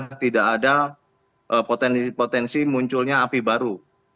sudah tidak ada potensi munculnya api baru